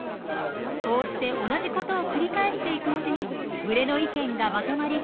こうして同じ事を繰り返していくうちに群れの意見がまとまり